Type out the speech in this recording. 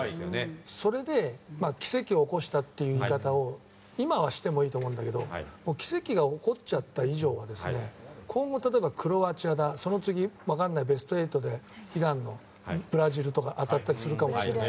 それで奇跡を起こしたという言い方を今はしてもいいと思うけど奇跡が起こっちゃった以上は今後、クロアチアだその次、分かんないけどベスト８でブラジルとかに当たったりするかもしれない。